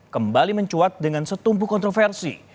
kembali mencuat dengan setumpu kontroversi